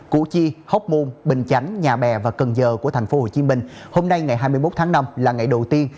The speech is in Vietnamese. củ chi hóc môn bình chánh nhà bè và cần giờ của tp hcm hôm nay ngày hai mươi một tháng năm là ngày đầu tiên